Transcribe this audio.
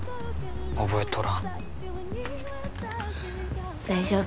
覚えとらん大丈夫？